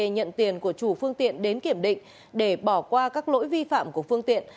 nhận tiền của chủ phương tiện đến kiểm định để bỏ qua các lỗi vi phạm của phương tiện